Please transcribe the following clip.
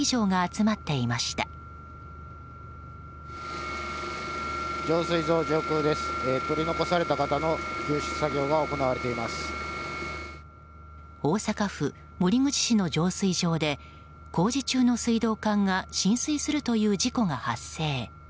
大阪府守口市の浄水場で工事中の水道管が浸水するという事故が発生。